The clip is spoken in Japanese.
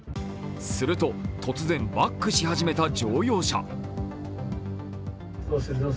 すると突然バックし始めた乗用車。